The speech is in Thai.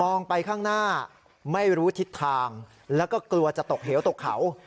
ไปข้างหน้าไม่รู้ทิศทางแล้วก็กลัวจะตกเหวตกเขา